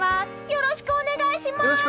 よろしくお願いします！